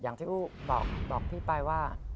อย่างที่อู๋บอกว่า